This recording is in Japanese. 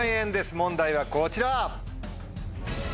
問題はこちら。